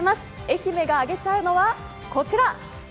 愛媛が揚げちゃうのは、こちら。